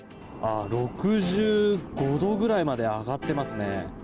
６５度ぐらいまで上がっていますね。